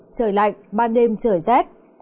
trời lạnh ban đêm trời rét